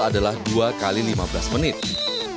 meski banyak kemiripan kita harus mencoba keseruan bermain full ball